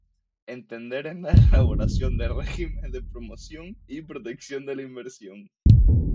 Entender en la elaboración de los regímenes de promoción y protección de la inversión.